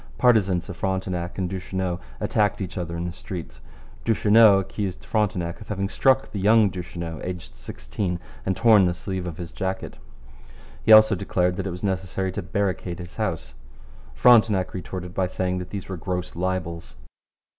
Partisans of Frontenac and Duchesneau attacked each other in the streets. Duchesneau accused Frontenac of having struck the young Duchesneau, aged sixteen, and torn the sleeve of his jacket. He also declared that it was necessary to barricade his house. Frontenac retorted by saying that these were gross libels.